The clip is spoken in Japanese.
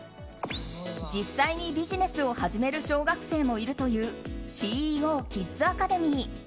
実際にビジネスを始める小学生もいるというＣＥＯキッズアカデミー。